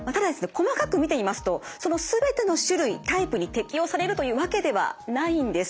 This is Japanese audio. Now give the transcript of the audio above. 細かく見てみますとその全ての種類タイプに適用されるというわけではないんです。